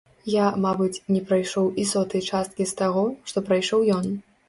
Я, мабыць, не прайшоў і сотай часткі з таго, што прайшоў ён.